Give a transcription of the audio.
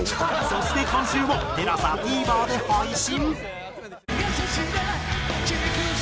そして今週もＴＥＬＡＳＡＴＶｅｒで配信！